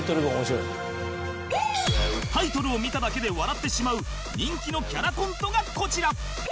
タイトルを見ただけで笑ってしまう人気のキャラコントがこちら